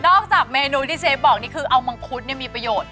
จากเมนูที่เชฟบอกนี่คือเอามังคุดมีประโยชน์